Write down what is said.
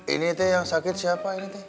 ini tuh yang sakit siapa